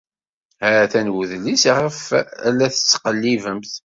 Ha-t-an udlis iɣef la tettqellibemt.